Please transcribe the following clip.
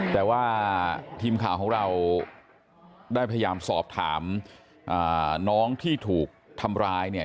แต่ว่าทีมข่าวของเราได้พยายามสอบถามน้องที่ถูกทำร้ายเนี่ย